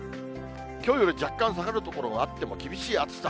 きょうより若干下がる所があっても、厳しい暑さ。